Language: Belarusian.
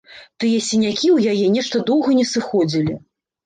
Тыя сінякі ў яе нешта доўга не сыходзілі.